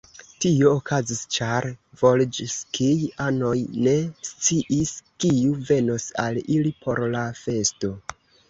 Tio okazis, ĉar volĵskij-anoj ne sciis, kiu venos al ili por la festo.